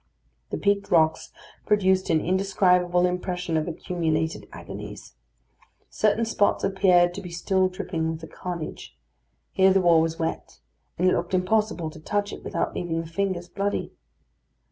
The peaked rocks produced an indescribable impression of accumulated agonies. Certain spots appeared to be still dripping with the carnage; here the wall was wet, and it looked impossible to touch it without leaving the fingers bloody.